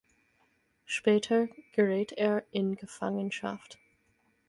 Später gerät er in Gefangenschaft.